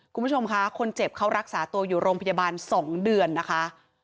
คุณผู้ชมค่ะคนเจ็บเขารักษาตัวอยู่โรงพยาบาล๒เดือนนะคะ